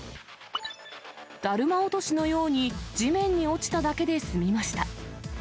だるま落としのように地面に落ちただけで済みました。